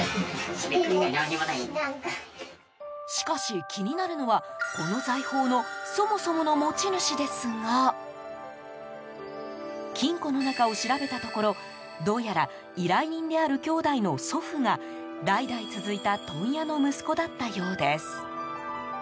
しかし、気になるのはこの財宝のそもそもの持ち主ですが金庫の中を調べたところどうやら依頼人である兄妹の祖父が代々続いた問屋の息子だったようです。